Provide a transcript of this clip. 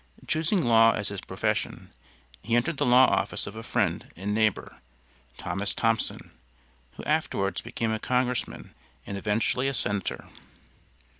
Choosing law as his profession, he entered the law office of a friend and neighbor, Thomas Thompson, who afterwards became a congressman and eventually a senator.